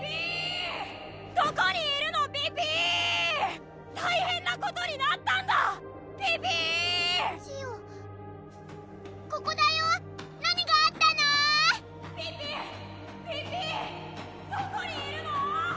どこにいるの？